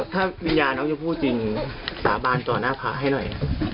ถ้าวิญญาณน้องชมพู่จริงสาบานต่อหน้าพระให้หน่อย